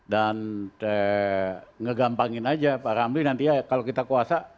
dan ngegampangin aja pak ramli nanti kalau kita kuasa